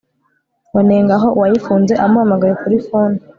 wanengaho uwayifunze amuhamagaye kuri phone